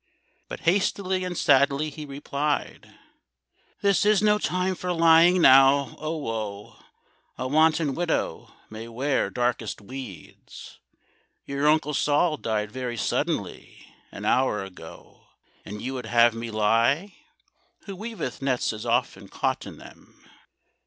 But hastily and sadly he replied, "This is no time for lying now; oh, woe!" A wanton widow may wear darkest weeds. "Your Uncle Sol died very suddenly An hour ago, and you would have me lie!" Who weaveth nets is often caught in them.